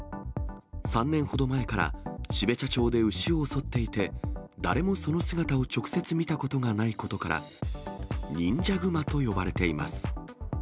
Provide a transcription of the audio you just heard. ３年ほど前から標茶町で牛を襲っていて、誰もその姿を直接見たことがないことから、忍者グマと呼ばれています。